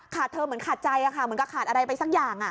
เธอเหมือนขาดใจเหมือนกับขาดอะไรไปสักอย่าง